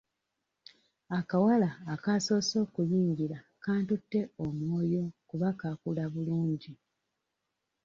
Akawala akasoose okuyingira kantutte omwoyo kuba kaakula bulungi.